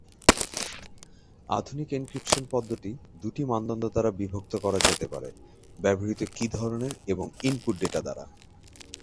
আধুনিক এনক্রিপশন পদ্ধতি দুটি মানদণ্ড দ্বারা বিভক্ত করা যেতে পারে: ব্যবহৃত কী ধরনের এবং ইনপুট ডেটা দ্বারা।